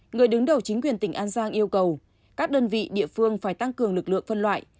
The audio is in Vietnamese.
người đứng đầu chính quyền tỉnh an giang yêu cầu các đơn vị địa phương phải tăng cường lực lượng phân loại